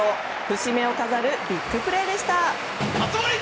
節目を飾るビッグプレーでした。